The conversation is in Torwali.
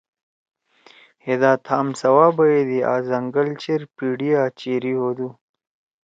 ہے دے تھام سوا بَیدی آ زنگل چیر پیڑی آ چیری ہودو ۔